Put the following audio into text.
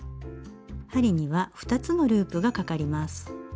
針には２つのループがかかります。